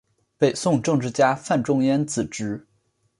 北宋政治家范仲淹子侄。